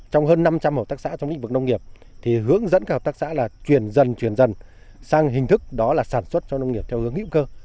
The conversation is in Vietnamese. trong hơn năm trăm linh hợp tác xã trong lĩnh vực nông nghiệp thì hướng dẫn các hợp tác xã là chuyển dần chuyển dần sang hình thức đó là sản xuất cho nông nghiệp theo hướng hữu cơ